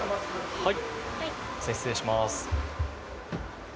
はい。